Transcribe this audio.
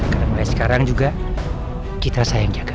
karena mulai sekarang juga citra saya yang jaga